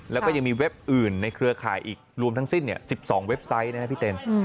แล้วก็ยังมีเว็บอื่นในเครือข่ายอีกรวมทั้งสิ้น๑๒เว็บไซต์นะครับพี่เต้น